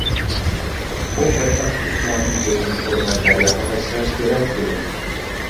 بۇ بەتبەخت ئىتلارنىڭ بىرىنى قويماي دەرياغا تاشلاش كېرەك-دېدى.